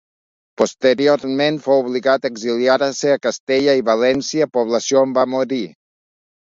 Posteriorment fou obligat a exiliar-se a Castella i València, població on va morir.